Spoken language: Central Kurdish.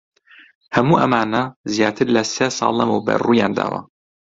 هەموو ئەمانە زیاتر لە سێ ساڵ لەمەوبەر ڕوویان داوە.